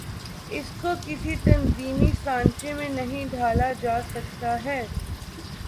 اس کو کسی تنظیمی سانچے میں نہیں ڈھا لا جا سکتا ہے۔